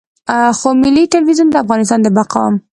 خو ملي ټلویزیون د افغانستان د بقا.